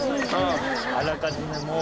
あらかじめもう。